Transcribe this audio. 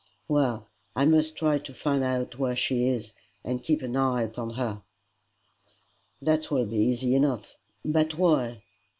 "Well, I must try to find out where she is, and keep an eye upon her." "That will be easy enough. But why?"